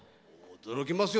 驚きますよ